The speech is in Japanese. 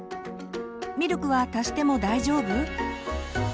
「ミルクは足しても大丈夫？」。